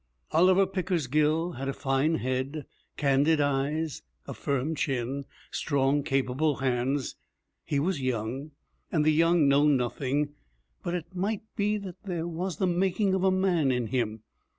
Oliver Pickersgill had a fine head, candid eyes, a firm chin, strong capable hands. He was young, and the young know nothing, but it might be that there was the making of a man in him.